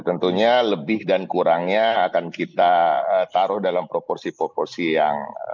tentunya lebih dan kurangnya akan kita taruh dalam proporsi proporsi yang